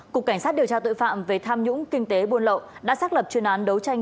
cục cảnh sát điều tra tội phạm về tham nhũng kinh tế buôn lậu đã xác lập chuyên án đấu tranh